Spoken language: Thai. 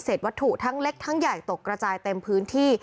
วัตถุทั้งเล็กทั้งใหญ่ตกกระจายเต็มพื้นที่